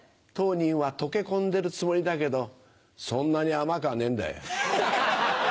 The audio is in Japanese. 当人は溶け込んでるつもりだけどそんなに甘くはねえんだよ。